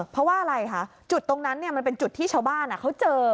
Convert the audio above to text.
เพราะว่าอะไรคะจุดตรงนั้นมันเป็นจุดที่ชาวบ้านเขาเจอ